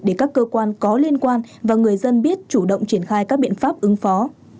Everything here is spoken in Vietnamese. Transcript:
để các cơ quan có liên quan và người dân biết chủ động triển khai các biện pháp ứng phó